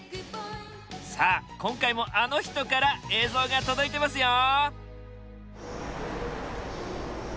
さあ今回もあの人から映像が届いてますよ！